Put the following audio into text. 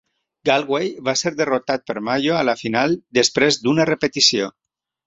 Galway va ser derrotat per Mayo a la final després d'una repetició.